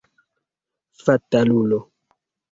Fatalulo!